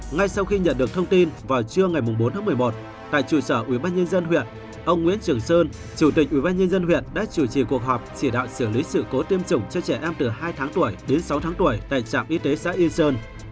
ngay sau khi nhận được thông tin vào trưa ngày bốn tháng một mươi một tại trụ sở ubnd huyện ông nguyễn trường sơn chủ tịch ubnd huyện đã chủ trì cuộc họp chỉ đạo xử lý sự cố tiêm chủng cho trẻ em từ hai tháng tuổi đến sáu tháng tuổi tại trạm y tế xã yên sơn